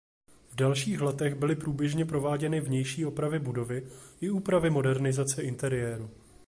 V dalších letech byly průběžně prováděny vnější opravy budovy i úpravy a modernizace interiéru.